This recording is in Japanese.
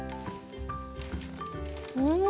うん。